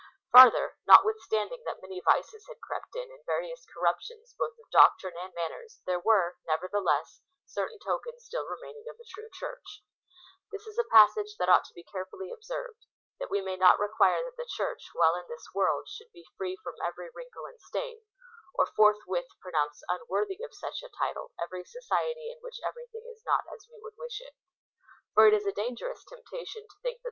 Farther, notwithstanding that many vices had crept in, and various corruptions both of doctrine and man ners, there were, nevertheless, certain tokens still remaining of a true Church, ^lis is a jiassage that ought to be care fully observed, that we may not require that the Church, while in this world, should be free from every wrinkle and stain, or forthAvith j)ronounce unworthy of such a title every society in which everything is not as we would wish ityCEat — ji is ar'da, ngeTous temptation to think that.